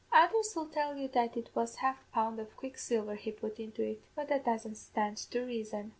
Others will tell you that it was half a pound of quicksilver he put into it; but that doesn't stand to raison.